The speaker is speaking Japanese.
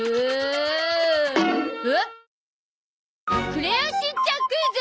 クレヨンしんちゃんクイズ！